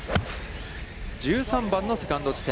１３番のセカンド地点。